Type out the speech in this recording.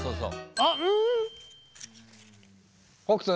あっうん！